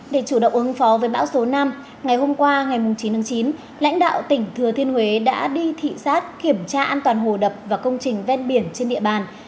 để chủ động ứng phó với bão số năm ngày hôm qua ngày chín tháng chín lãnh đạo tỉnh thừa thiên huế đã đi thị xát kiểm tra an toàn hồ đập và công trình ven biển trên địa bàn